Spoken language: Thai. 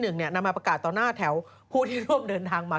นำมาประกาศต่อหน้าแถวผู้ที่ร่วมเดินทางมา